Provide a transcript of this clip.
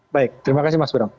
baik terima kasih mas bram